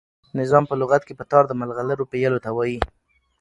نظام په لغت کښي په تار د ملغلرو پېیلو ته وايي.